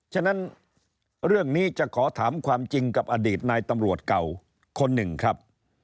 ฉะนั้นเรื่องนี้จะขอถามความจริงกับอดีตนายตำรวจเก่าคนหนึ่งครับ